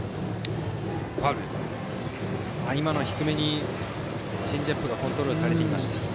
低めにチェンジアップがコントロールされていました。